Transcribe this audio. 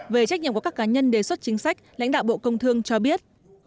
về trách nhiệm của các cá nhân đề xuất chính sách lãnh đạo bộ công thương cho biết